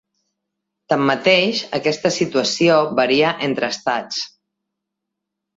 Tanmateix, aquesta situació varia entre estats.